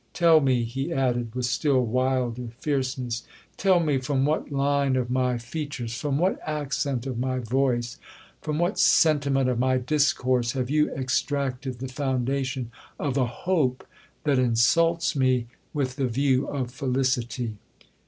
Tell me,' he added, with still wilder fierceness, 'tell me from what line of my features,—from what accent of my voice,—from what sentiment of my discourse, have you extracted the foundation of a hope that insults me with the view of felicity?'